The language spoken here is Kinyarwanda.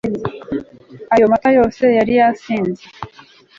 ayo mata yose yari yasinze